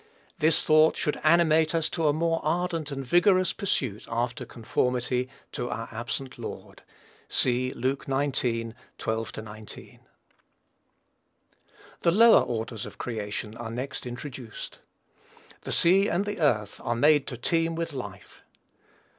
This thought should animate us to a more ardent and vigorous pursuit after conformity to our absent Lord. (See Luke xix. 12 19.) The lower orders of creation are next introduced. The sea and the earth are made to teem with life.